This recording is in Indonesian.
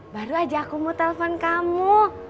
baru aja aku mau telpon kamu